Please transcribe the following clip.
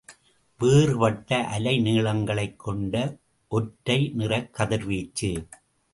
வேறுபட்ட அலை நீளங்களைக் கொண்ட ஒற்றை நிறக் கதிர்வீச்சு.